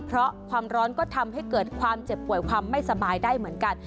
เพราะความร้อนก็ทำให้เกิดความเจ็บป่วยความไม่สบายได้เหมือนกัน